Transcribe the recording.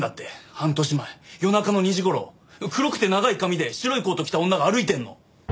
半年前夜中の２時頃黒くて長い髪で白いコート着た女が歩いてるの。